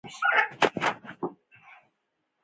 د عامه نظم د مختل کولو مخنیوی وشي.